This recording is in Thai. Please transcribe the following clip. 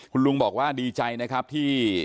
คุณลุงบอกว่าดีใจนะครับที่